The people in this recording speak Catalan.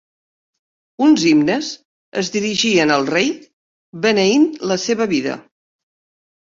Uns himnes es dirigien al rei, beneint la seva vida.